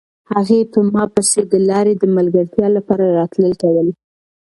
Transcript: هغې په ما پسې د لارې د ملګرتیا لپاره راتلل کول.